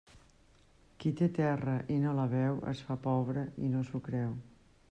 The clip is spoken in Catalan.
Qui té terra i no la veu, es fa pobre i no s'ho creu.